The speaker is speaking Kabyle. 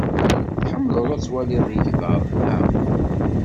Tḥemmleḍ ad twaliḍ igḍaḍ, naɣ?